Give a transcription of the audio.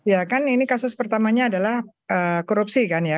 ya kan ini kasus pertamanya adalah korupsi kan ya